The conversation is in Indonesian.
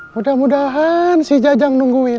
mudah mudahan si jajang nungguin